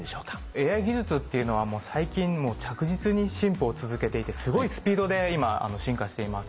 ＡＩ技術っていうのは最近着実に進歩を続けていてすごいスピードで今進化しています。